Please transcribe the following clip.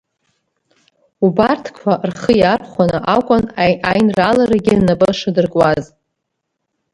Убарҭқәа рхы иархәаны акәын аинрааларагьы нап шадыркуаз.